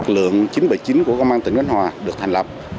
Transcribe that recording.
lượng chín trăm bảy mươi chín của công an tỉnh khánh hòa được thành lập